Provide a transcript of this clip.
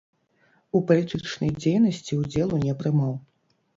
У палітычнай дзейнасці ўдзелу не прымаў.